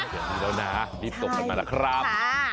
อย่างนี้แล้วนะรีบส่งกันมาแล้วครับ